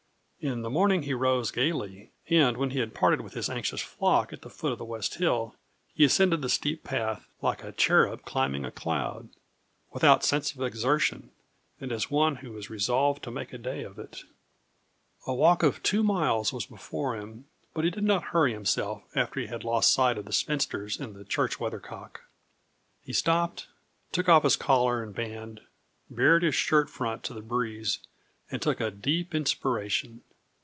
In the morning he rose gaily; and when he had parted with his anxious flock at the foot of the west hill, he ascended the steep path, like a cherub climbing a cloud, without sense of exertion, and as one who is resolved to make a day of it. A walk of two miles was before him, but he did not hurry himself after he had lost sight of the spinsters and the church weathercock. He stopped, took off his collar and band, bared his shirt front to the breeze, and took a deep inspiration.